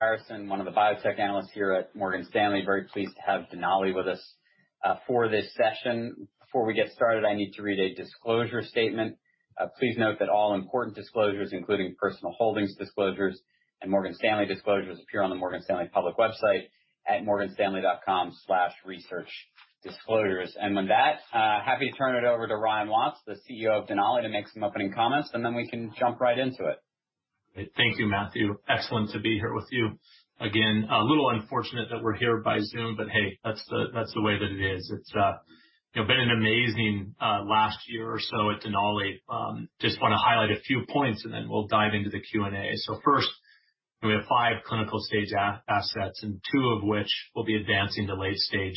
Harrison, one of the biotech analysts here at Morgan Stanley. Very pleased to have Denali with us for this session. Before we get started, I need to read a disclosure statement. Please note that all important disclosures, including personal holdings disclosures and Morgan Stanley disclosures, appear on the Morgan Stanley public website at morganstanley.com/researchdisclosures. With that, happy to turn it over to Ryan Watts, the Chief Executive Officer of Denali, to make some opening comments, and then we can jump right into it. Great. Thank you, Matthew. Excellent to be here with you. A little unfortunate that we're here by Zoom, but hey, that's the way that it is. It's been an amazing last year or so at Denali. Just want to highlight a few points and then we'll dive into the Q&A. First, we have five clinical stage assets, and two of which will be advancing to late stage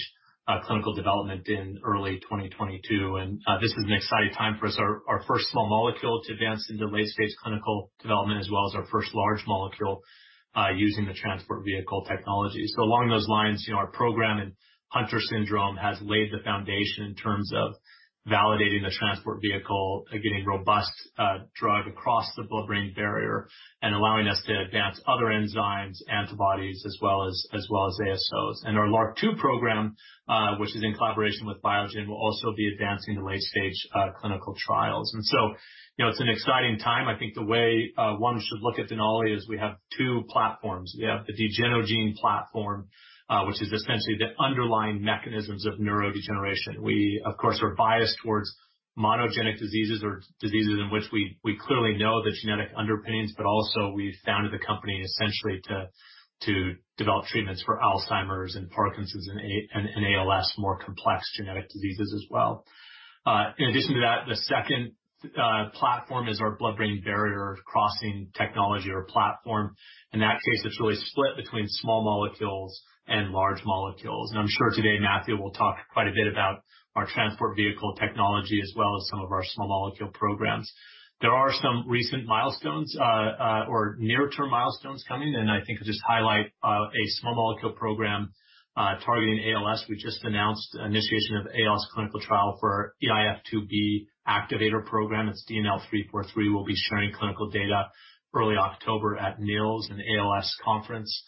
clinical development in early 2022. This is an exciting time for us. Our first small molecule to advance into late stage clinical development, as well as our first large molecule using the Transport Vehicle technology. Along those lines, our program in Hunter syndrome has laid the foundation in terms of validating the Transport Vehicle and getting robust drug across the blood-brain barrier and allowing us to advance other enzymes, antibodies, as well as antisense oligonucleotides. Our LRRK2 program, which is in collaboration with Biogen, will also be advancing to late-stage clinical trials. It's an exciting time. I think the way one should look at Denali is we have two platforms. We have the Degenogene platform, which is essentially the underlying mechanisms of neurodegeneration. We, of course, are biased towards monogenic diseases or diseases in which we clearly know the genetic underpinnings, but also we founded the company essentially to develop treatments for Alzheimer's and Parkinson's and amyotrophic lateral sclerosis, more complex genetic diseases as well. In addition to that, the second platform is our blood-brain barrier crossing technology or platform. In that case, it's really split between small molecules and large molecules. I'm sure today Matthew will talk quite a bit about our Transport Vehicle technology as well as some of our small molecule programs. There are some recent milestones, or near term milestones coming, and I think I'll just highlight a small molecule program targeting ALS. We just announced initiation of ALS clinical trial for eIF2B activator program. It's DNL343. We'll be sharing clinical data early October at NEALS, an ALS conference.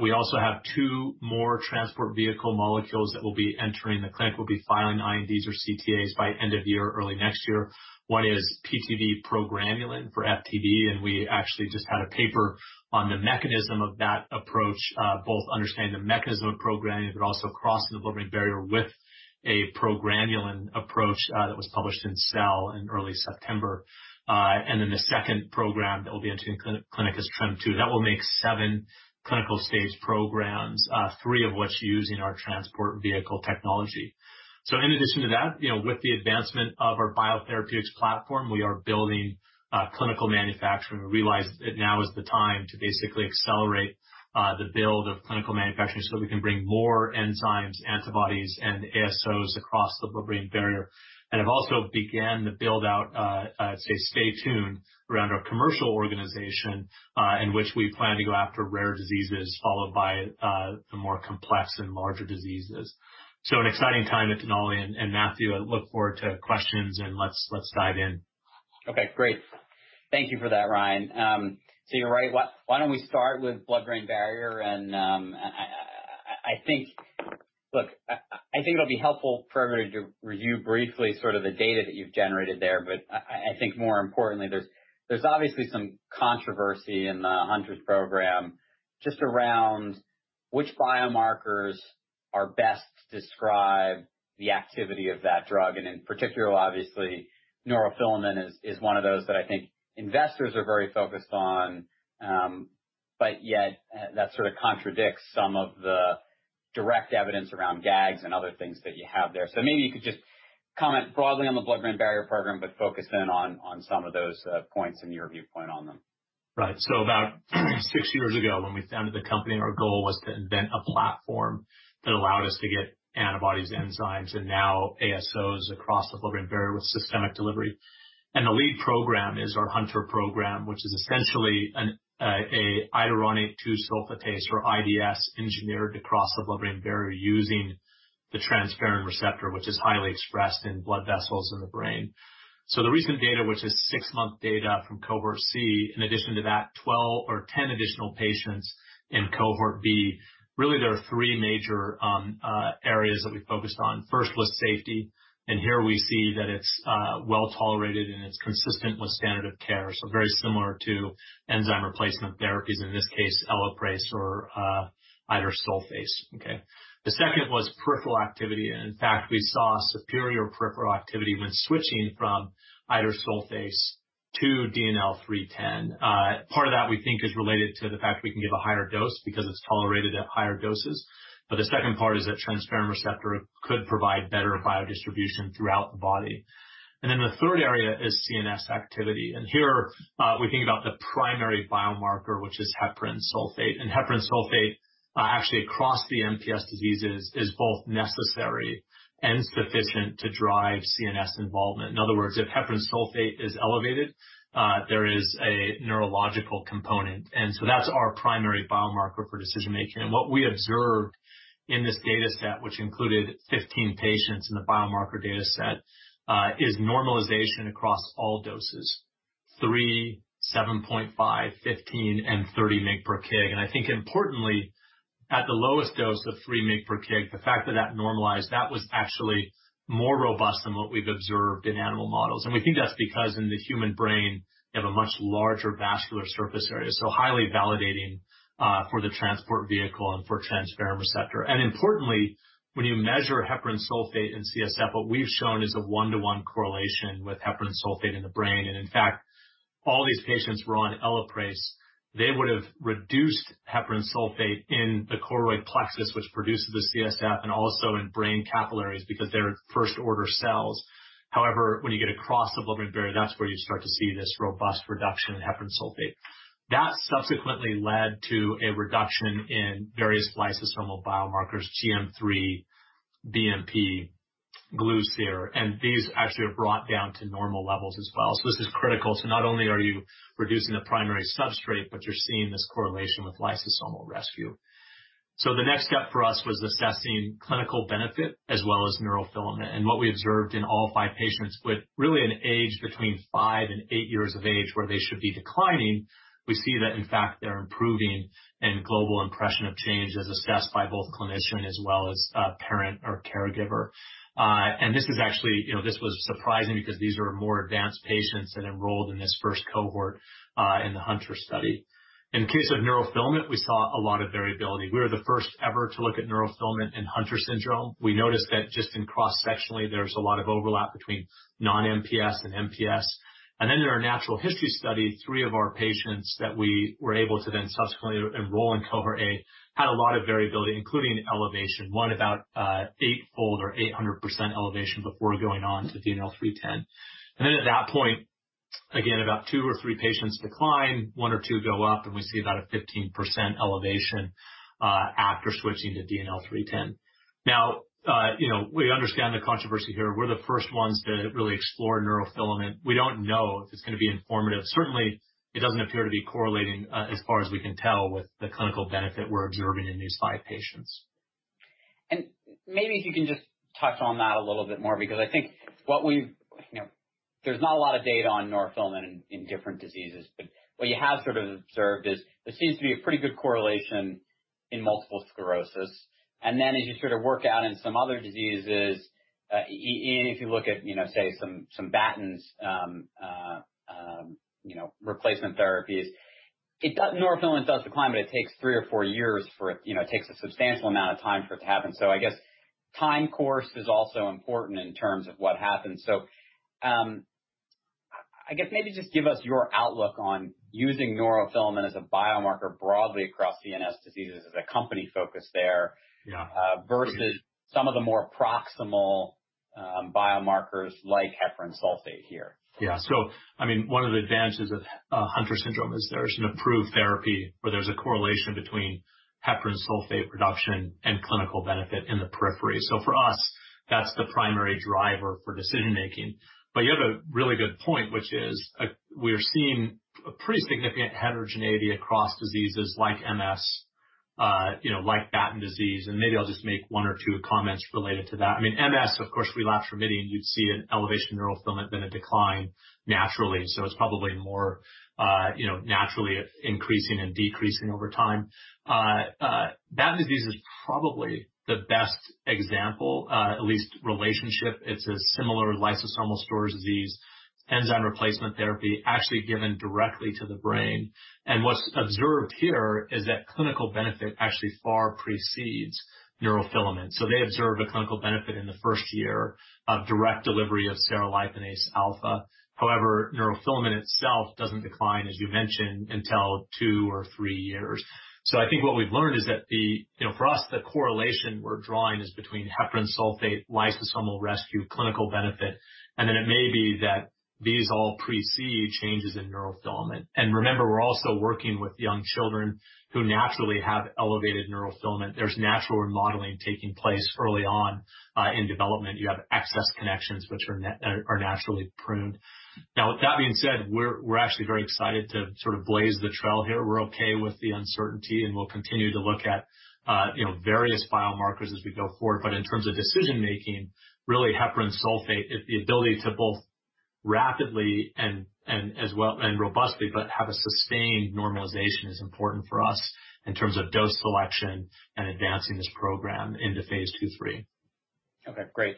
We also have two more Transport Vehicle molecules that will be entering the clinic. We'll be filing Investigational New Drug or Clinical Trial Agreements by end of year, early next year. One is PTV:PGRN for frontotemporal dementia, and we actually just had a paper on the mechanism of that approach, both understanding the mechanism of progranulin, but also crossing the blood-brain barrier with a progranulin approach that was published in Cell in early September. The second program that will be entering clinic is TREM2. That will make seven clinical stage programs, three of which using our Transport Vehicle technology. In addition to that, with the advancement of our biotherapeutics platform, we are building clinical manufacturing. We realize that now is the time to basically accelerate the build of clinical manufacturing so we can bring more enzymes, antibodies, and ASOs across the blood-brain barrier. Have also began to build out a stay tuned around our commercial organization, in which we plan to go after rare diseases followed by the more complex and larger diseases. An exciting time at Denali, and Matthew, I look forward to questions and let's dive in. Okay, great. Thank you for that, Ryan. You're right. Why don't we start with blood-brain barrier and I think it'll be helpful for everybody to review briefly sort of the data that you've generated there. I think more importantly, there's obviously some controversy in the Hunter's program just around which biomarkers are best to describe the activity of that drug. In particular, obviously, neurofilament is one of those that I think investors are very focused on. Yet that sort of contradicts some of the direct evidence around glycosaminoglycans and other things that you have there. Maybe you could just comment broadly on the blood-brain barrier program, but focus in on some of those points and your viewpoint on them. Right. About six years ago when we founded the company, our goal was to invent a platform that allowed us to get antibodies, enzymes, and now ASOs across the blood-brain barrier with systemic delivery. The lead program is our Hunter program, which is essentially a iduronate-2-sulfatase or IDS engineered to cross the blood-brain barrier using the transferrin receptor, which is highly expressed in blood vessels in the brain. The recent data, which is six-month data from cohort C, in addition to that, 12 or 10 additional patients in cohort B. Really, there are three major areas that we focused on. First was safety, here we see that it's well-tolerated and it's consistent with standard of care. Very similar to enzyme replacement therapies, in this case ELAPRASE or idursulfase. Okay. The second was peripheral activity. In fact, we saw superior peripheral activity when switching from idursulfase to DNL310. Part of that we think is related to the fact we can give a higher dose because it's tolerated at higher doses. The second part is that transferrin receptor could provide better biodistribution throughout the body. The third area is central Nervous System activity. Here we think about the primary biomarker, which is heparan sulfate. Heparan sulfate actually across the mucopolysaccharidosis diseases is both necessary and sufficient to drive CNS involvement. In other words, if heparan sulfate is elevated, there is a neurological component. That's our primary biomarker for decision-making. What we observed in this data set, which included 15 patients in the biomarker data set, is normalization across all doses. 3 mg, 7.5 mg, 15 mg, and 30 mg/kg. I think importantly, at the lowest dose, the 3 mg/kg, the fact that that normalized, that was actually more robust than what we've observed in animal models. We think that's because in the human brain, you have a much larger vascular surface area, so highly validating for the Transport Vehicle and for transferrin receptor. Importantly, when you measure heparan sulfate and cerebrospinal fluid, what we've shown is a one-to-one correlation with heparan sulfate in the brain, and in fact, all these patients were on ELAPRASE. They would have reduced heparan sulfate in the choroid plexus, which produces the CSF, and also in brain capillaries because they're first-order cells. However, when you get across the blood-brain barrier, that's where you start to see this robust reduction in heparan sulfate. That subsequently led to a reduction in various lysosomal biomarkers, GM3, BMP, GlcCer, and these actually are brought down to normal levels as well. This is critical. Not only are you reducing the primary substrate, but you're seeing this correlation with lysosomal rescue. The next step for us was assessing clinical benefit as well as neurofilament. What we observed in all five patients with really an age between five and eight years of age, where they should be declining, we see that, in fact, they're improving in global impression of change as assessed by both clinician as well as parent or caregiver. This was surprising because these are more advanced patients that enrolled in this first cohort, in the Hunter study. In case of neurofilament, we saw a lot of variability. We were the first ever to look at neurofilament in Hunter syndrome. We noticed that just in cross-sectionally, there's a lot of overlap between non-MPS and MPS. In our natural history study, three of our patients that we were able to then subsequently enroll in cohort A had a lot of variability, including elevation. One about eight-fold or 800% elevation before going on to DNL310. At that point, again, about two or three patients decline, one or two go up, and we see about a 15% elevation after switching to DNL310. We understand the controversy here. We're the first ones to really explore neurofilament. We don't know if it's going to be informative. Certainly, it doesn't appear to be correlating as far as we can tell with the clinical benefit we're observing in these five patients. Maybe if you can just touch on that a little bit more, because I think there's not a lot of data on neurofilament in different diseases. What you have sort of observed is there seems to be a pretty good correlation in multiple sclerosis. Then as you sort of work out in some other diseases, even if you look at say some Batten disease replacement therapies, neurofilament does decline, but it takes three or four years for it. It takes a substantial amount of time for it to happen. I guess time course is also important in terms of what happens. I guess maybe just give us your outlook on using neurofilament as a biomarker broadly across CNS diseases as a company focus there. Yeah. Versus some of the more proximal biomarkers like heparan sulfate here. Yeah. One of the advantages of Hunter syndrome is there's an approved therapy where there's a correlation between heparan sulfate production and clinical benefit in the periphery. You have a really good point, which is we're seeing a pretty significant heterogeneity across diseases like multiple sclerosis, like Batten disease, and maybe I'll just make one or two comments related to that. MS, of course, relapse remitting, you'd see an elevation of neurofilament than a decline naturally. It's probably more naturally increasing and decreasing over time. Batten disease is probably the best example, at least relationship. It's a similar lysosomal storage disease, enzyme replacement therapy actually given directly to the brain. What's observed here is that clinical benefit actually far precedes neurofilament. They observed a clinical benefit in the first year of direct delivery of cerliponase alfa. Neurofilament itself doesn't decline, as you mentioned, until two or three years. I think what we've learned is that for us, the correlation we're drawing is between heparan sulfate, lysosomal rescue, clinical benefit, and then it may be that these all precede changes in neurofilament. Remember, we're also working with young children who naturally have elevated neurofilament. There's natural remodeling taking place early on in development. You have excess connections which are naturally pruned. With that being said, we're actually very excited to sort of blaze the trail here. We're okay with the uncertainty, and we'll continue to look at various biomarkers as we go forward. In terms of decision-making, really heparan sulfate is the ability to both rapidly and robustly but have a sustained normalization is important for us in terms of dose selection and advancing this program into phase II/III. Okay, great.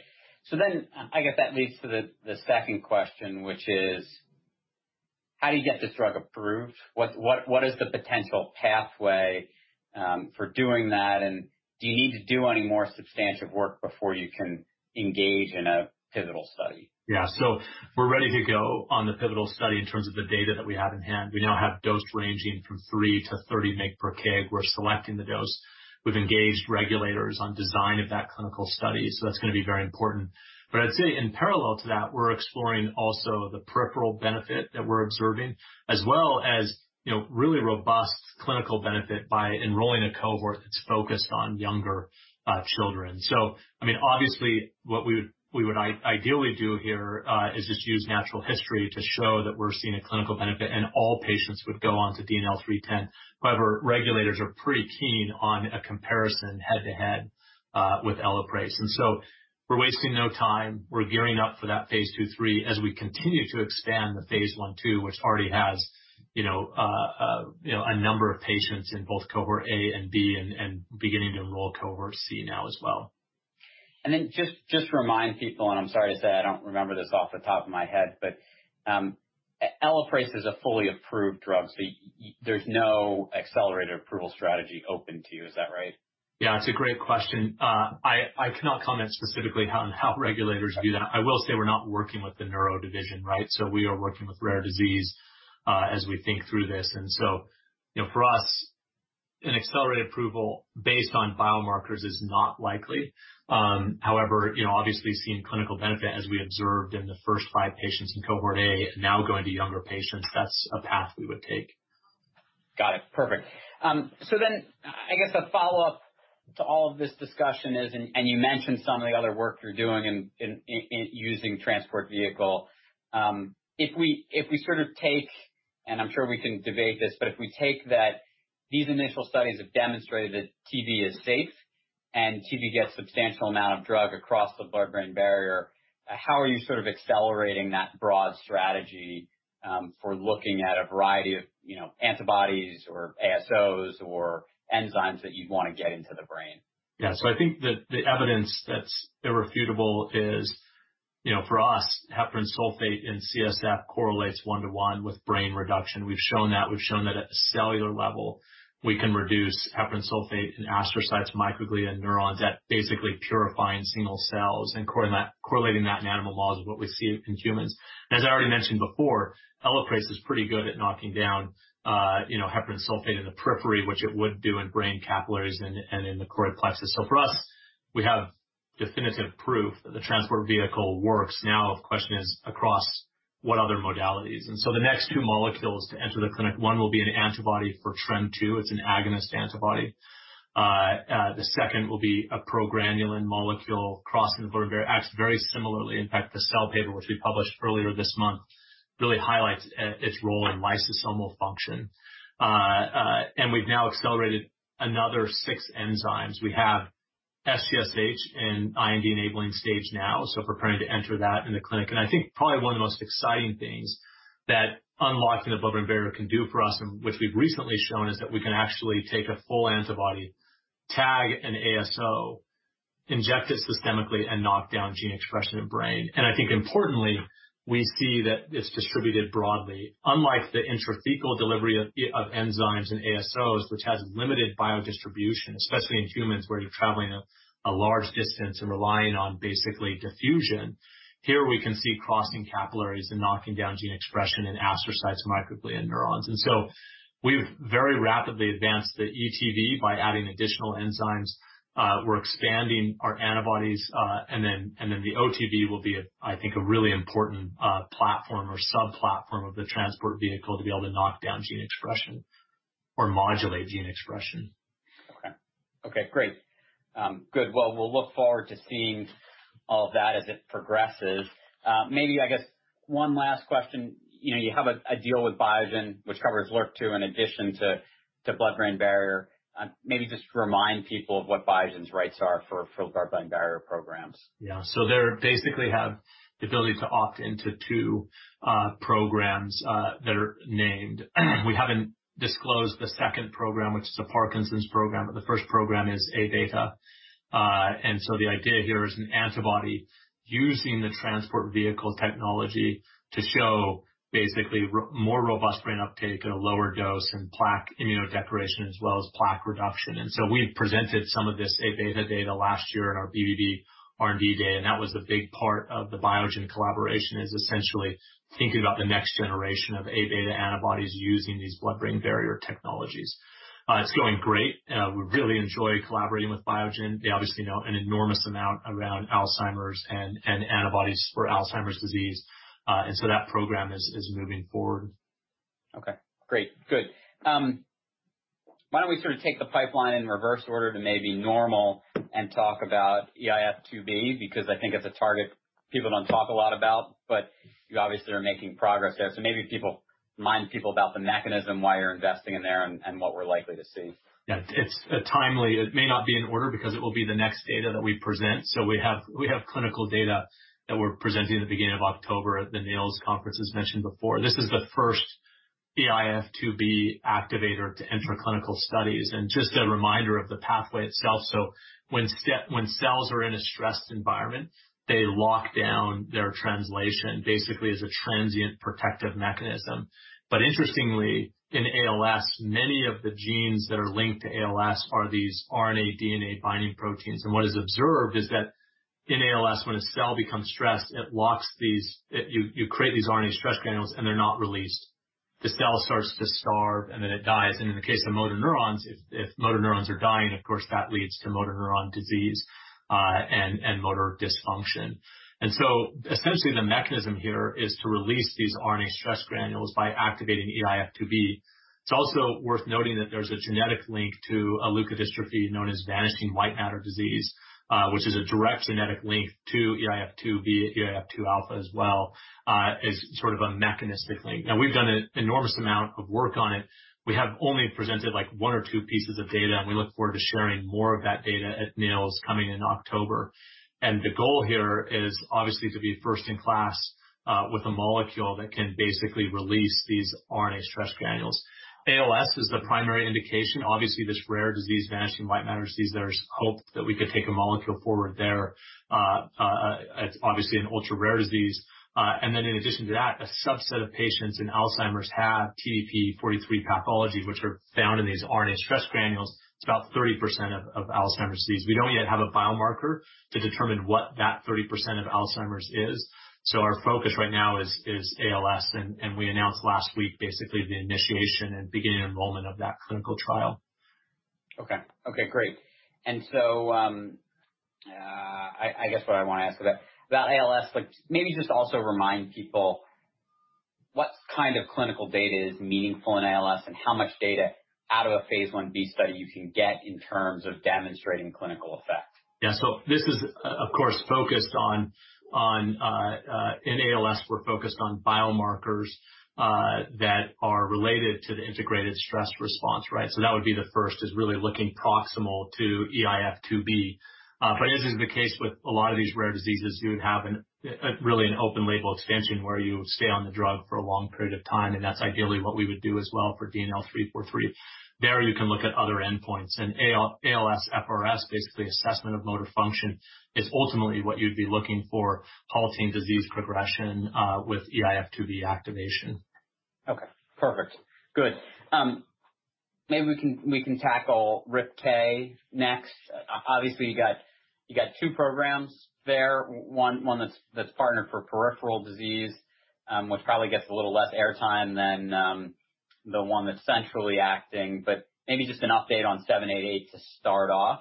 I guess that leads to the second question, which is, how do you get this drug approved? What is the potential pathway for doing that, and do you need to do any more substantive work before you can engage in a pivotal study? We're ready to go on the pivotal study in terms of the data that we have in hand. We now have dose ranging from 3 mg/kg-30 mg/kg. We're selecting the dose. We've engaged regulators on design of that clinical study, that's going to be very important. I'd say in parallel to that, we're exploring also the peripheral benefit that we're observing as well as really robust clinical benefit by enrolling a cohort that's focused on younger children. Obviously what we would ideally do here is just use natural history to show that we're seeing a clinical benefit, and all patients would go on to DNL310. However, regulators are pretty keen on a comparison head-to-head with ELAPRASE. We're wasting no time. We're gearing up for that phase II/III as we continue to expand the phase I/II, which already has a number of patients in both cohort A and B and beginning to enroll cohort C now as well. Just remind people, and I'm sorry to say I don't remember this off the top of my head, but ELAPRASE is a fully approved drug, so there's no accelerated approval strategy open to you. Is that right? Yeah, it's a great question. I cannot comment specifically on how regulators do that. I will say we're not working with the neuro division, right? We are working with rare disease as we think through this. For us, an accelerated approval based on biomarkers is not likely. However, obviously, seeing clinical benefit as we observed in the first five patients in cohort A now going to younger patients, that's a path we would take. Got it, perfect. I guess a follow-up to all of this discussion is, and you mentioned some of the other work you're doing in using Transport Vehicle. If we sort of take, and I'm sure we can debate this, but if we take that these initial studies have demonstrated that TV is safe and TV gets substantial amount of drug across the blood-brain barrier, how are you sort of accelerating that broad strategy for looking at a variety of antibodies or ASOs or enzymes that you'd want to get into the brain? Yeah. I think that the evidence that's irrefutable is for us, heparan sulfate and CSF correlates one-to-one with brain reduction. We've shown that at a cellular level, we can reduce heparan sulfate and astrocytes microglia neurons at basically purifying single cells and correlating that in animal models with what we see in humans. As I already mentioned before, ELAPRASE is pretty good at knocking down heparan sulfate in the periphery, which it would do in brain capillaries and in the choroid plexus. For us, we have definitive proof that the Transport Vehicle works. Now the question is across what other modalities? The next two molecules to enter the clinic, one will be an antibody for TREM2. It's an agonist antibody. The second will be a progranulin molecule crossing the blood-brain barrier. Acts very similarly. In fact, the Cell paper, which we published earlier this month, really highlights its role in lysosomal function. We've now accelerated another six enzymes. We have sulfoglucosamine sulfohydrolase and Investigational New Drug-enabling stage now, so preparing to enter that in the clinic. I think probably one of the most exciting things that unlocking the blood-brain barrier can do for us, and which we've recently shown, is that we can actually take a full antibody tag an ASO, inject it systemically, and knock down gene expression in brain. I think importantly, we see that it's distributed broadly, unlike the intrathecal delivery of enzymes and ASOs, which has limited biodistribution, especially in humans, where you're traveling a large distance and relying on basically diffusion. Here we can see crossing capillaries and knocking down gene expression in astrocytes, microglia, neurons. We've very rapidly advanced the Enzyme Transport Vehicle by adding additional enzymes. We're expanding our antibodies, and then the Oligonucleotide Transport Vehicle will be, I think, a really important platform or sub-platform of the Transport Vehicle to be able to knock down gene expression or modulate gene expression. Okay. Great. Good. Well, we'll look forward to seeing all of that as it progresses. Maybe I guess one last question. You have a deal with Biogen, which covers LRRK2 in addition to blood-brain barrier. Maybe just remind people of what Biogen's rights are for blood-brain barrier programs. Yeah. They basically have the ability to opt into two programs that are named. We haven't disclosed the second program, which is a Parkinson's program, but the first program is A-beta. The idea here is an antibody using the Transport Vehicle technology to show basically more robust brain uptake at a lower dose and plaque immunodepletion as well as plaque reduction. We presented some of this A-beta data last year in our blood-brain barrier R&D Day, and that was the big part of the Biogen collaboration is essentially thinking about the next generation of A-beta antibodies using these blood-brain barrier technologies. It's going great. We really enjoy collaborating with Biogen. They obviously know an enormous amount around Alzheimer's and antibodies for Alzheimer's disease. That program is moving forward. Okay. Great. Good. Why don't we sort of take the pipeline in reverse order to maybe normal and talk about eIF2B because I think it's a target people don't talk a lot about, but you obviously are making progress there. Maybe remind people about the mechanism, why you're investing in there, and what we're likely to see. Yeah. It's timely. It may not be in order because it will be the next data that we present. We have clinical data that we're presenting at the beginning of October at the NEALS conference, as mentioned before. This is the first eIF2B activator to enter clinical studies and just a reminder of the pathway itself. When cells are in a stressed environment, they lock down their translation basically as a transient protective mechanism. Interestingly, in ALS, many of the genes that are linked to ALS are these ribonucleic acid deoxyribonucleic acid binding proteins. What is observed is that in ALS, when a cell becomes stressed, you create these RNA stress granules and they're not released. The cell starts to starve and then it dies. In the case of motor neurons, if motor neurons are dying, of course, that leads to motor neuron disease and motor dysfunction. Essentially the mechanism here is to release these RNA stress granules by activating eIF2B. It's also worth noting that there's a genetic link to a leukodystrophy known as vanishing white matter disease, which is a direct genetic link to eIF2B, eIF2 alpha as well, is sort of a mechanistic link. Now we've done an enormous amount of work on it. We have only presented one or two pieces of data, and we look forward to sharing more of that data at NEALS coming in October. The goal here is obviously to be first in class with a molecule that can basically release these RNA stress granules. ALS is the primary indication. Obviously, this rare disease, vanishing white matter disease, there's hope that we could take a molecule forward there. It's obviously an ultra-rare disease. In addition to that, a subset of patients in Alzheimer's have TDP-43 pathologies, which are found in these RNA stress granules. It's about 30% of Alzheimer's disease. We don't yet have a biomarker to determine what that 30% of Alzheimer's is. Our focus right now is ALS, and we announced last week basically the initiation and beginning enrollment of that clinical trial. Okay. Great. I guess what I want to ask about ALS, but maybe just also remind people. What kind of clinical data is meaningful in ALS and how much data out of a phase Ib study you can get in terms of demonstrating clinical effect? This is, of course, in ALS, we're focused on biomarkers that are related to the integrated stress response, right? That would be the first, is really looking proximal to eIF2B. As is the case with a lot of these rare diseases, you would have really an open label expansion where you stay on the drug for a long period of time, and that's ideally what we would do as well for DNL343. There you can look at other endpoints and ALSFRS, basically assessment of motor function is ultimately what you'd be looking for, halting disease progression with eIF2B activation. Okay, perfect. Good. Maybe we can tackle receptor-interacting protein kinase next. Obviously, you got two programs there, one that's partnered for peripheral disease, which probably gets a little less air time than the one that's centrally acting, but maybe just an update on DNL788 to start off,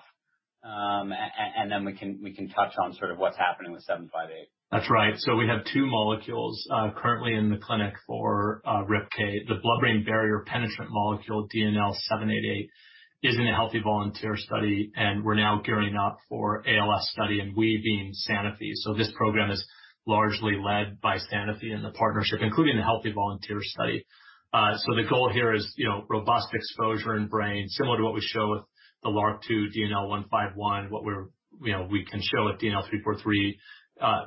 and then we can touch on sort of what's happening with DNL758. That's right. We have two molecules currently in the clinic for RIPK. The blood-brain barrier penetrant molecule, DNL788, is in a healthy volunteer study, and we're now gearing up for ALS study and we being Sanofi. This program is largely led by Sanofi and the partnership, including the healthy volunteer study. The goal here is robust exposure in brain similar to what we show with the LRRK2 DNL151, what we can show with DNL343,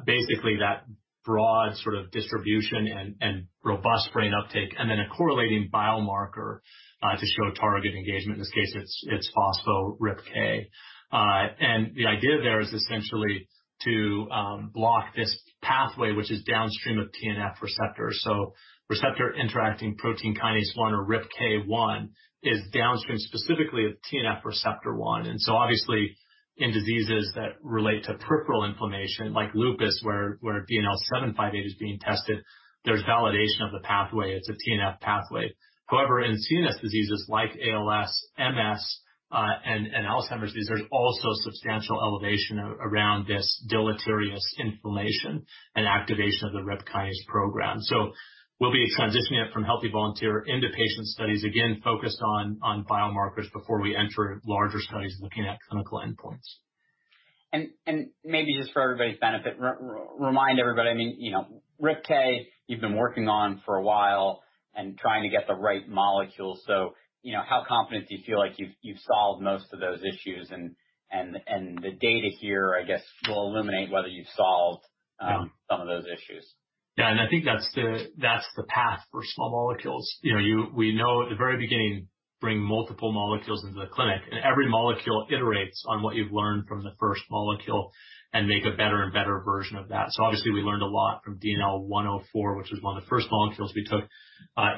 basically that broad sort of distribution and robust brain uptake, and then a correlating biomarker to show target engagement. In this case, it's phospho-RIPK1. The idea there is essentially to block this pathway, which is downstream of tumor necrosis factor receptor. Receptor interacting protein kinase 1 or RIPK1 is downstream specifically of TNF receptor 1. Obviously in diseases that relate to peripheral inflammation like lupus where DNL758 is being tested, there's validation of the pathway. It's a TNF pathway. However, in CNS diseases like ALS, MS, and Alzheimer's disease, there's also substantial elevation around this deleterious inflammation and activation of the RIP kinase program. We'll be transitioning it from healthy volunteer into patient studies, again, focused on biomarkers before we enter larger studies looking at clinical endpoints. Maybe just for everybody's benefit, remind everybody, RIPK, you've been working on for a while and trying to get the right molecule. How confident do you feel like you've solved most of those issues and the data here, I guess, will illuminate whether you've solved some of those issues? Yeah. I think that's the path for small molecules. We know at the very beginning, bring multiple molecules into the clinic and every molecule iterates on what you've learned from the first molecule and make a better and better version of that. Obviously we learned a lot from DNL104, which was one of the first molecules we took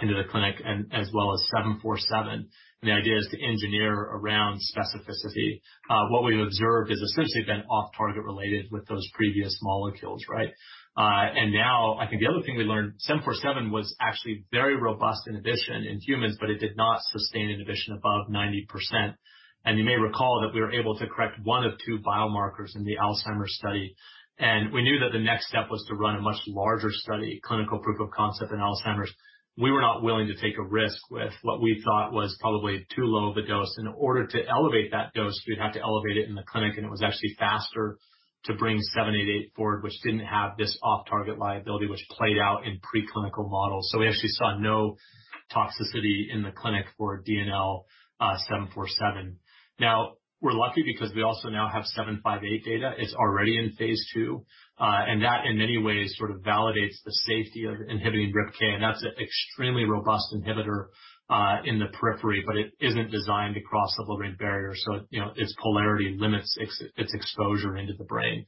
into the clinic as well as DNL747. The idea is to engineer around specificity. What we've observed has essentially been off-target related with those previous molecules, right? Now I think the other thing we learned, DNL747 was actually very robust inhibition in humans, but it did not sustain inhibition above 90%. You may recall that we were able to correct one of two biomarkers in the Alzheimer's study, and we knew that the next step was to run a much larger study, clinical proof of concept in Alzheimer's. We were not willing to take a risk with what we thought was probably too low of a dose. In order to elevate that dose, we'd have to elevate it in the clinic, and it was actually faster to bring DNL788 forward, which didn't have this off-target liability which played out in preclinical models. We actually saw no toxicity in the clinic for DNL747. We're lucky because we also now have DNL758 data. It's already in phase II, and that in many ways sort of validates the safety of inhibiting RIPK, and that's an extremely robust inhibitor in the periphery, but it isn't designed to cross the blood-brain barrier. Its polarity limits its exposure into the brain.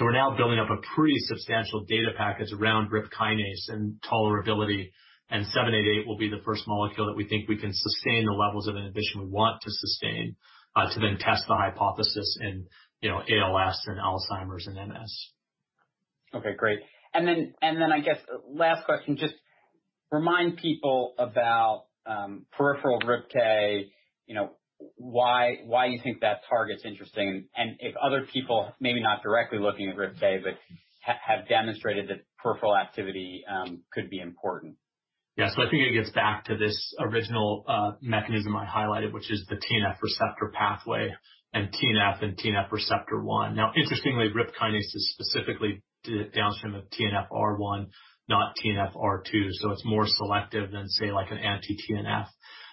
We're now building up a pretty substantial data package around RIP kinase and tolerability, and DNL788 will be the first molecule that we think we can sustain the levels of inhibition we want to sustain to then test the hypothesis in ALS and Alzheimer's and MS. Okay, great. I guess last question, just remind people about peripheral RIPK, why you think that target's interesting and if other people, maybe not directly looking at RIPK, but have demonstrated that peripheral activity could be important. Yeah. I think it gets back to this original mechanism I highlighted, which is the TNF receptor pathway and TNF and TNF receptor one. Now, interestingly, RIP kinase is specifically downstream of TNFR1, not TNFR2. It's more selective than, say, like an anti-TNF.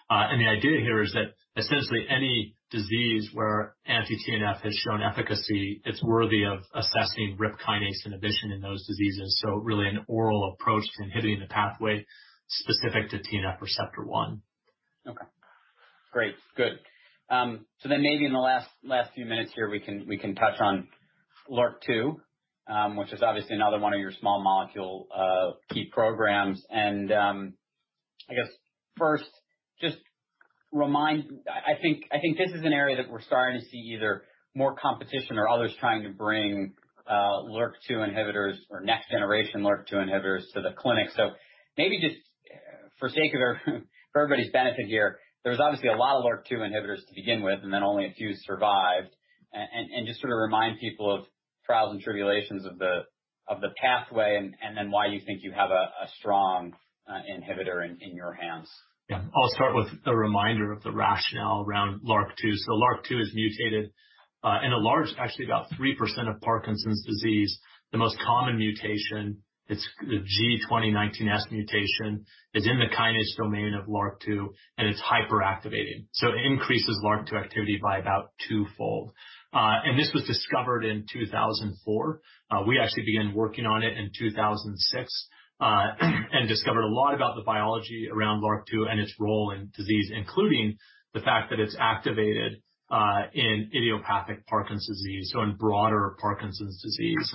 The idea here is that essentially any disease where anti-TNF has shown efficacy, it's worthy of assessing RIP kinase inhibition in those diseases. Really an oral approach to inhibiting the pathway specific to TNF receptor one. Okay. Great. Good. Maybe in the last few minutes here we can touch on LRRK2, which is obviously another one of your small molecule key programs. I think this is an area that we're starting to see either more competition or others trying to bring LRRK2 inhibitors or next generation LRRK2 inhibitors to the clinic. Maybe just for everybody's benefit here, there's obviously a lot of LRRK2 inhibitors to begin with, and then only a few survived. Just sort of remind people of trials and tribulations of the pathway, and then why you think you have a strong inhibitor in your hands. Yeah. I'll start with a reminder of the rationale around LRRK2. LRRK2 is mutated in a large, actually about 3% of Parkinson's disease. The most common mutation, it's the G2019S mutation, is in the kinase domain of LRRK2, and it's hyperactivating. It increases LRRK2 activity by about twofold. This was discovered in 2004. We actually began working on it in 2006, and discovered a lot about the biology around LRRK2 and its role in disease, including the fact that it's activated in idiopathic Parkinson's disease, so in broader Parkinson's disease.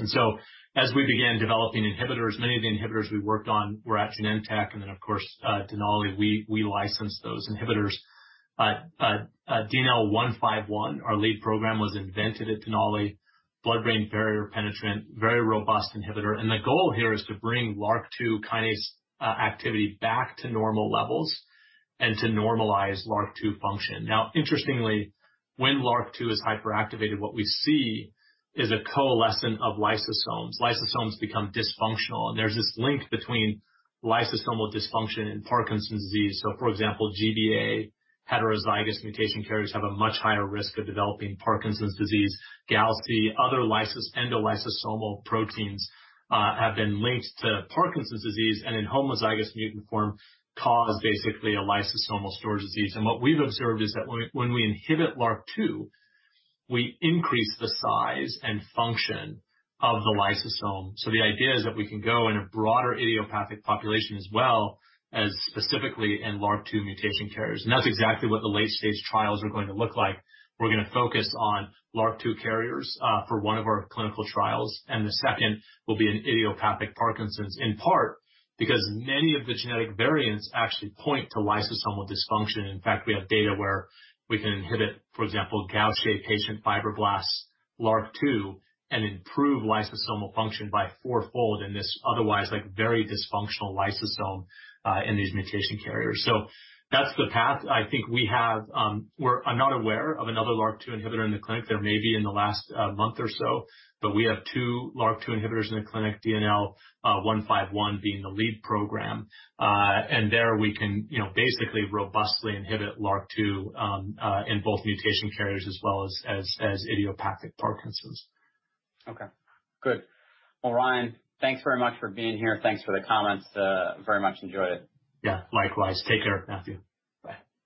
As we began developing inhibitors, many of the inhibitors we worked on were at Genentech, and then, of course, Denali, we licensed those inhibitors. DNL151, our lead program, was invented at Denali, blood-brain barrier penetrant, very robust inhibitor. The goal here is to bring LRRK2 kinase activity back to normal levels and to normalize LRRK2 function. Interestingly, when LRRK2 is hyperactivated, what we see is a coalescent of lysosomes. Lysosomes become dysfunctional, and there's this link between lysosomal dysfunction and Parkinson's disease. For example, GBA heterozygous mutation carriers have a much higher risk of developing Parkinson's disease. Galactocerebrosidase, other endolysosomal proteins have been linked to Parkinson's disease, and in homozygous mutant form, cause basically a lysosomal storage disease. What we've observed is that when we inhibit LRRK2, we increase the size and function of the lysosome. The idea is that we can go in a broader idiopathic population as well as specifically in LRRK2 mutation carriers. That's exactly what the late-stage trials are going to look like. We're going to focus on LRRK2 carriers for one of our clinical trials, and the second will be in idiopathic Parkinson's, in part because many of the genetic variants actually point to lysosomal dysfunction. In fact, we have data where we can inhibit, for example, Gaucher patient fibroblasts LRRK2 and improve lysosomal function by fourfold in this otherwise very dysfunctional lysosome in these mutation carriers. That's the path. I'm not aware of another LRRK2 inhibitor in the clinic. There may be in the last month or so, but we have two LRRK2 inhibitors in the clinic, DNL151 being the lead program. There we can basically robustly inhibit LRRK2 in both mutation carriers as well as idiopathic Parkinson's. Okay, good. Well, Ryan, thanks very much for being here. Thanks for the comments. Very much enjoyed it. Yeah, likewise. Take care, Matthew. Bye.